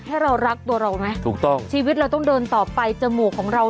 ให้เรารักตัวเราไหมชีวิตเราต้องเดินต่อไปจมูกของเรา